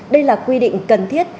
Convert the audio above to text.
đây là quy định cần thiết